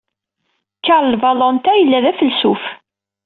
Karl Valentin yella d afelsuf.